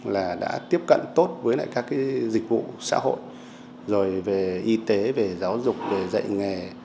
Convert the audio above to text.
là đã tiếp cận tốt với lại các cái dịch vụ xã hội rồi về y tế về giáo dục về dạy nghề